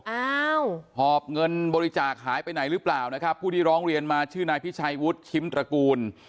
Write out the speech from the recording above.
อ้าวหอบเงินบริจาคหายไปไหนหรือเปล่านะครับผู้ที่ร้องเรียนมาชื่อนายพิชัยวุฒิชิมตระกูล